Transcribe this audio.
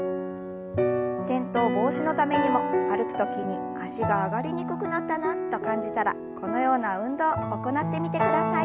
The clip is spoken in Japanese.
転倒防止のためにも歩く時に脚が上がりにくくなったなと感じたらこのような運動行ってみてください。